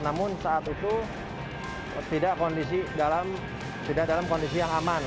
namun saat itu tidak dalam kondisi yang aman